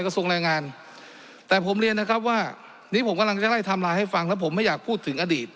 กระทรวงแรงงานแต่ผมเรียนนะครับว่านี้ผมกำลังจะไล่ไทม์ไลน์ให้ฟังแล้วผมไม่อยากพูดถึงอดีต